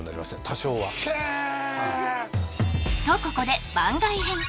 多少はへえとここで番外編！